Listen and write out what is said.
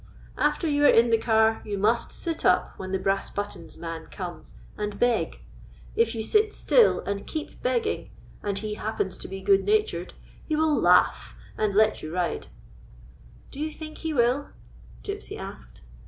"After you are in the car you must sit up when the brass buttons man comes and beg. If you sit still and keep begging, and he happens to be good natured, he will laugh and let you ride." 116 OUT INTO THE BIG WORLD "Do you think lie will?" Gypsy asked.